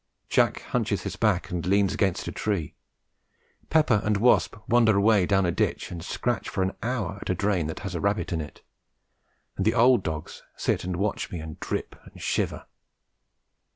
Jack hunches his back and leans against a tree, Pepper and Wasp wander away down a ditch and scratch for an hour at a drain that has a rabbit in it, and the old dogs sit and watch me and drip and shiver.